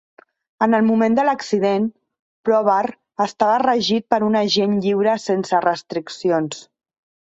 En el moment de l"accident, Probert estava regit per un agent lliure sense restriccions.